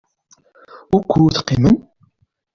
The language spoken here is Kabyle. Wukud qimen?